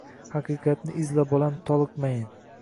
Haqiqatni izla bolam toliqmayin